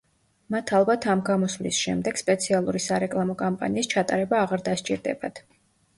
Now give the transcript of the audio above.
მათ ალბათ, ამ გამოსვლის შემდეგ, სპეციალური სარეკლამო კამპანიის ჩატარება აღარ დასჭირდებათ.